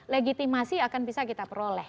legitimasi akan bisa kita peroleh